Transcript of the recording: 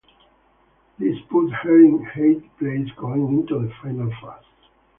This put her in eighth place going into the final phase.